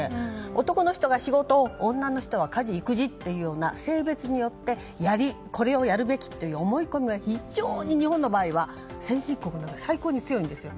男の人が仕事女の人は家事育児って性別によってこれをやるべきという思い込みが非常に日本の場合は先進国の中で最高に強いんですよ。